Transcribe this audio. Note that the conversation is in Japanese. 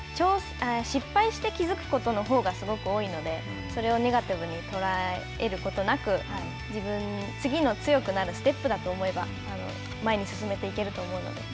失敗して気付くことのほうがすごく多いのでそれをネガティブに捉えることなく次の強くなるステップだと思えば前に進めていけると思うので。